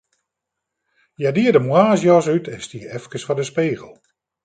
Hja die de moarnsjas út en stie efkes foar de spegel.